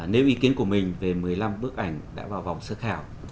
nếu ý kiến của mình về một mươi năm bức ảnh đã vào vòng sơ khảo